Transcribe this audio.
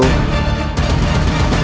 kami akan berjaya